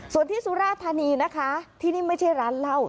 ส่วนที่สุราธานีนะคะที่นี่ไม่ใช่ร้านเหล้า